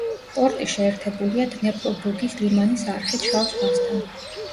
პორტი შეერთებულია დნეპრო-ბუგის ლიმანის არხით შავ ზღვასთან.